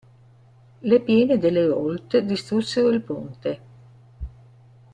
Le piene dell'Herault distrussero il ponte.